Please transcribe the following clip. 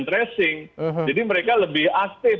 tracing jadi mereka lebih aktif